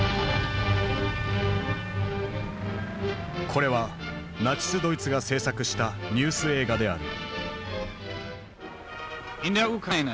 これはナチスドイツが制作したニュース映画である。